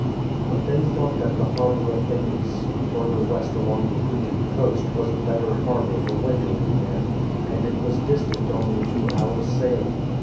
But they thought that the harbour of Phenice, further west along the Cretan coast, was a better harbour for wintering in ; and it was distant only a few hours' sailing.